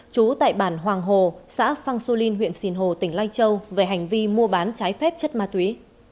trú tại bàn hoàng hồ xã phanxu linh huyện sìn hồ tỉnh lai châu về hành vi mua bán trái phép chất ma túy